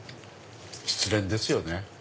失恋ですよね。